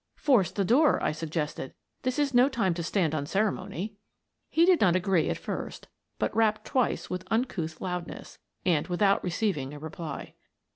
" Force the door," I suggested; " this is no time to stand on ceremony." He did not agree at first, but rapped twice with uncouth loudness — and without receiving a reply.